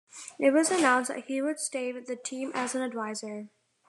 It was announced that he would stay with the team as an adviser.